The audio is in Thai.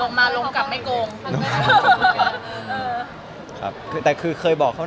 ลงมาลงกลับไม่โกงคุณเขียวผมได้รูปก่อนลงได้หรือเปล่าคุณเขียวผมได้รูปก่อนลงได้หรือเปล่า